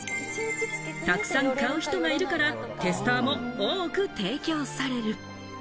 たくさん買う人がいるからテスターも多く提供される。